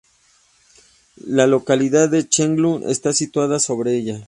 La localidad de Chengdu está situada sobre ella.